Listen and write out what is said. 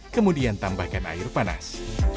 kemudian tambahkan air panas